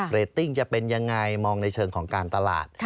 ตติ้งจะเป็นยังไงมองในเชิงของการตลาด